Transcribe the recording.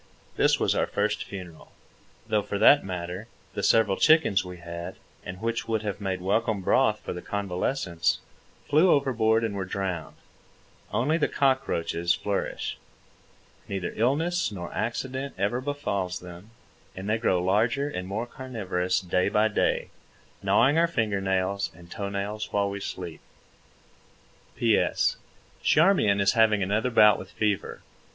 This was our first funeral—though for that matter, the several chickens we had, and which would have made welcome broth for the convalescents, flew overboard and were drowned. Only the cockroaches flourish. Neither illness nor accident ever befalls them, and they grow larger and more carnivorous day by day, gnawing our finger nails and toe nails while we sleep. P.S. Charmian is having another bout with fever.